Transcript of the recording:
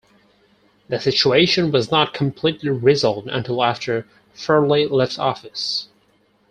The situation was not completely resolved until after Farley left office.